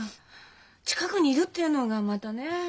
近くにいるってのがまたねえ。